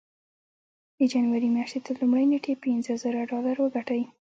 د جنوري مياشتې تر لومړۍ نېټې پينځه زره ډالر وګټئ.